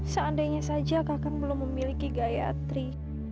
seandainya saja kakak belum memiliki gayatri